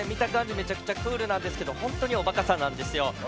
めちゃくちゃクールなんですけど本当におばかさんなんですよ。